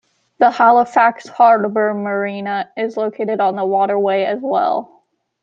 The Halifax Harbor Marina is located on the waterway as well.